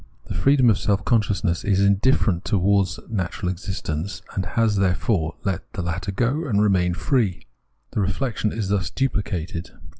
The freedom of seK consciousness is indifferent towards natural existence, and has, therefore, let this latter go and remain free. The reflexion is thus duphcated.